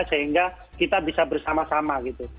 sehingga kita bisa bersama sama gitu